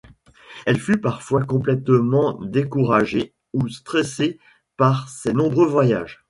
Elle fut parfois complètement découragée ou stressée par ses nombreux voyages.